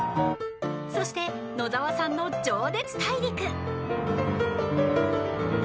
［そして野澤さんの『情熱大陸』］